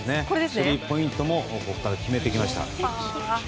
スリーポイントも決めてきました。